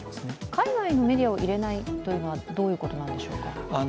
海外のメディアを入れないというのはどういうことなんでしょうか？